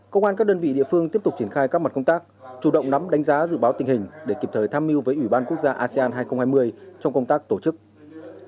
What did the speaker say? công an các đơn vị địa phương tiếp tục triển khai các mặt công tác chủ động nắm đánh giá dự báo tình hình để kịp thời tham mưu với ủy ban quốc gia asean hai nghìn hai mươi trong công tác tổ chức